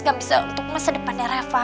gak bisa untuk masa depannya rafa